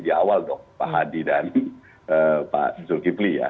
di awal dong pak hadi dan pak zulkifli ya